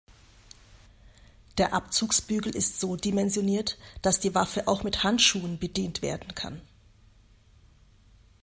Der Abzugsbügel ist so dimensioniert, dass die Waffe auch mit Handschuhen bedient werden kann.